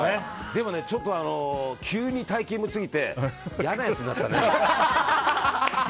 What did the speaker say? でもちょっと急に大金持ちすぎて嫌なやつになったね。